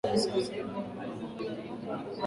na kuna mazungumzo na maafisa wa serikali